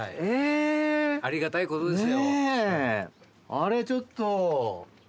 あれちょっと。